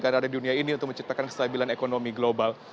negara negara di dunia ini untuk menciptakan kestabilan ekonomi global